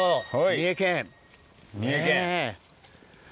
三重県。